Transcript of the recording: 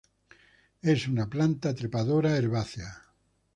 Es una planta trepadora herbácea.